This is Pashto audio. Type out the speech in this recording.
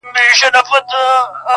د لاسونو په پياله کې اوښکي راوړې.